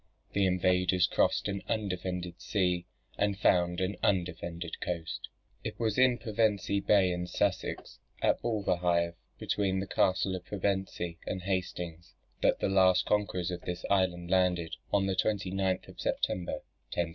The invaders crossed an undefended sea, and found an undefended coast. It was in Pevensey Bay in Sussex, at Bulverhithe, between the castle of Pevensey and Hastings, that the last conquerors of this island landed, on the 29th of September, 1066.